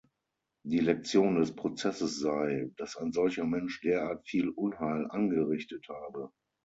Die Lektion des Prozesses sei, dass ein solcher Mensch derart viel Unheil angerichtet habe.